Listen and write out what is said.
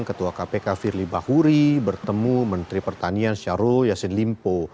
ketua kpk firly bahuri bertemu menteri pertanian syarul yassin limpo